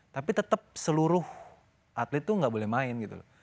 tapi tetap seluruh atlet itu nggak boleh main gitu loh